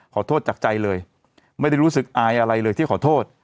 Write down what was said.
ขอโทษจากใจเลยไม่ได้รู้สึกอายอะไรเลยที่ขอโทษ